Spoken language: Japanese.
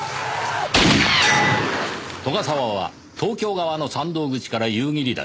斗ヶ沢は東京側の山道口から夕霧岳に戻りました。